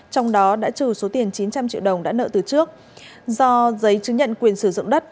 trong đó đã trừ số tiền chín trăm linh triệu đồng đã nợ từ trước do giấy chứng nhận quyền sử dụng đất